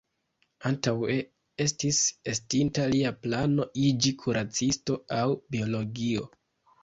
Antaŭe estis estinta lia plano iĝi kuracisto aŭ biologo.